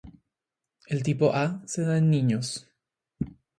El tipo A se da en niños.